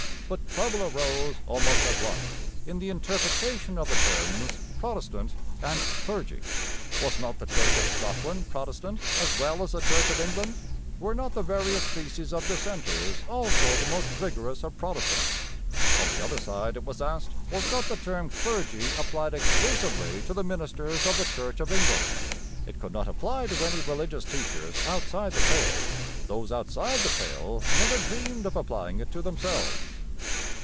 But trouble arose almost at once in the interpretation of the terms 'Protestant' and 'clergy.' Was not the Church of Scotland 'Protestant' as well as the Church of England? Were not the various species of 'Dissenters' also the most vigorous of 'Protestants'? On the other side it was asked, Was not the term 'clergy' applied exclusively to the ministers of the Church of England? It could not apply to any religious teachers outside the pale; those outside the pale never dreamed of applying it to themselves.